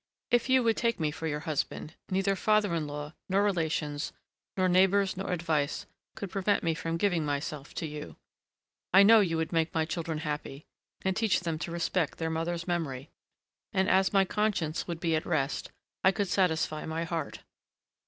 If you would take me for your husband, neither father in law nor relations nor neighbors nor advice could prevent me from giving myself to you. I know you would make my children happy and teach them to respect their mother's memory, and, as my conscience would be at rest, I could satisfy my heart.